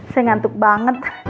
saya ngantuk banget